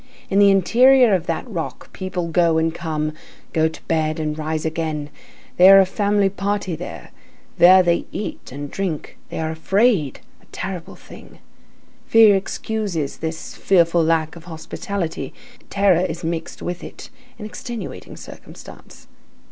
In the interior of that rock, people go and come, go to bed and rise again; they are a family party there; there they eat and drink; they are afraid, a terrible thing! Fear excuses this fearful lack of hospitality; terror is mixed with it, an extenuating circumstance.